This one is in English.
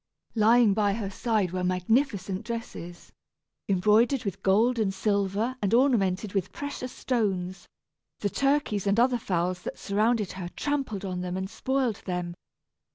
Lying by her side were magnificent dresses, embroidered with gold and silver and ornamented with precious stones; the turkeys and other fowls that surrounded her trampled on them and spoiled them.